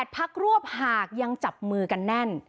๘พักรวบหากยังจับมือกันแน่น